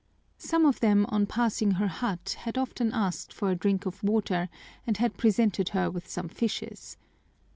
Some of them on passing her hut had often asked for a drink of water and had presented her with some fishes.